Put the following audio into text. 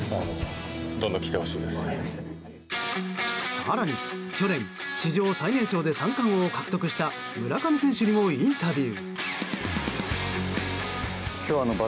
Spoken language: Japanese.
更に、去年史上最年少で三冠王を獲得した村上選手にもインタビュー。